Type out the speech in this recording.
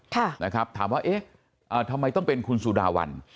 ถามว่าทำไมต้องเป็นคุณสุดาวัน